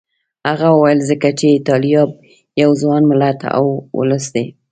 هغه وویل ځکه چې ایټالیا یو ځوان ملت او ولس دی.